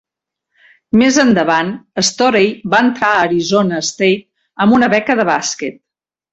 Més endavant, Storey va entrar a Arizona State amb una beca de bàsquet.